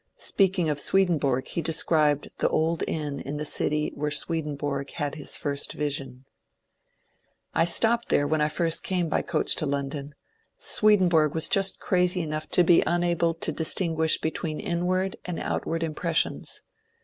Speaking of Swedenborg, he described the old inn in the city where Swedenborg had his first vision. ^^ I stopped there when I first came by coach to London. Swedenborg was just crazy enough to be unable to distinguish between inward and outward impressions.